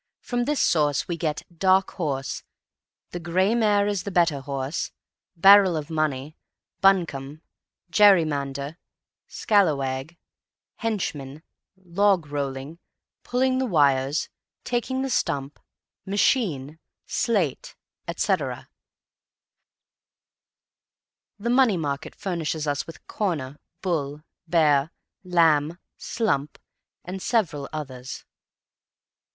From this source we get "dark horse," "the gray mare is the better horse," "barrel of money," "buncombe," "gerrymander," "scalawag," "henchman," "logrolling," "pulling the wires," "taking the stump," "machine," "slate," etc. The money market furnishes us with "corner," "bull," "bear," "lamb," "slump," and several others.